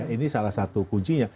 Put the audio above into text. ini salah satu kuncinya